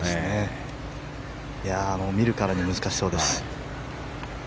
見るからに難しそうです。